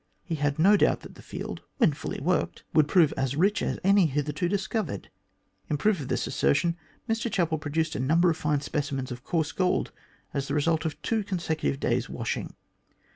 He had no doubt that the field, when fully worked, would prove as rich as any hitherto discovered. In proof of this assertion Mr Chapel produced a number of fine speci mens of coarse gold as the result of two consecutive days* washing.